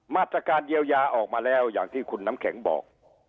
มาตรการเยียวยาออกมาแล้วอย่างที่คุณน้ำแข็งบอก